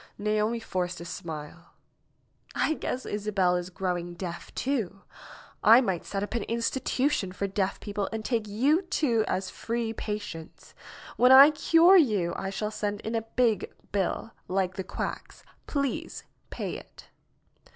Naomi forced a smile. "I guess Isabel is growing deaf, too. I might set up an institution for deaf people and take you two as free patients. When I cure you I shall send in a big bill, like the quacks. Please pay it."